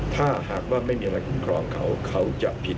ถ้าหากว่าไม่มีอะไรคุ้มครองเขาเขาจะผิด